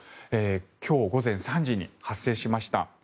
今日午前３時に発生しました。